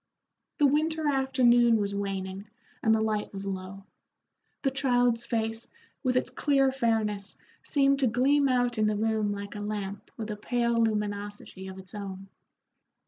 The winter afternoon was waning and the light was low; the child's face, with its clear fairness, seemed to gleam out in the room like a lamp with a pale luminosity of its own.